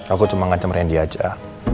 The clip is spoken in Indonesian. aku cuma ngancam randy aja